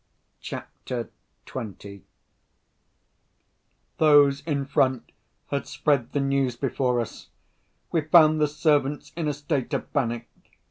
CHAPTER XX Those in front had spread the news before us. We found the servants in a state of panic.